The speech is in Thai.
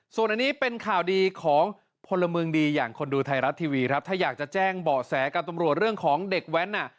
ส่วนอันนี้เป็นข่าวดีของพลเมืองดีอย่างคนดูไทยรัฐทีวีครับถ้าอยากจะแจ้งเบาะแสกับตำรวจเรื่องของเด็กแว้นน่ะ